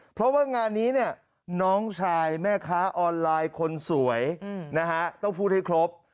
เพราะว่างานนี้เนี่ยน้องชายแม่ค้าออนไลน์คนสวยนะฮะต้องพูดให้ครบ